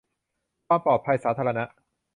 ความปลอดภัยสาธารณะ